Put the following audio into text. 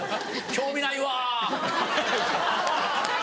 興味ないわ。